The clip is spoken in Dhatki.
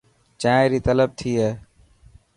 چائين ري طلب ٿي هي.